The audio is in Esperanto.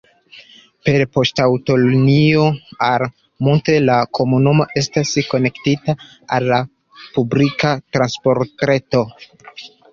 Per poŝtaŭtolinio al Moutier la komunumo estas konektita al la publika transportreto.